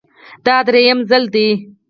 دا درېیم ځل دی